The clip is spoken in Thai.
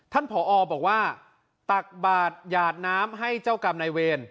ผอบอกว่าตักบาทหยาดน้ำให้เจ้ากรรมนายเวร